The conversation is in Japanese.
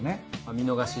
見逃し。